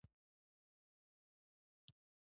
داسې ښکاري چې بیړۍ د نهنګ د خوراک